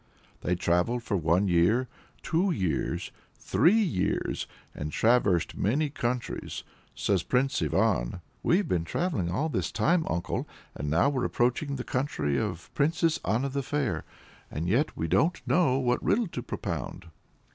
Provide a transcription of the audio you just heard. They travelled for one year, two years, three years, and traversed many countries. Says Prince Ivan "We've been travelling all this time, uncle, and now we're approaching the country of Princess Anna the Fair; and yet we don't know what riddle to propound."